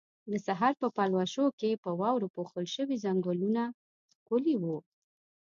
د سحر په پلوشو کې په واورو پوښل شوي ځنګلونه ښکلي وو.